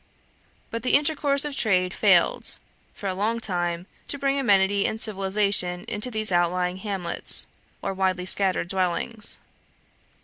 But the intercourse of trade failed, for a long time, to bring amenity and civilization into these outlying hamlets, or widely scattered dwellings.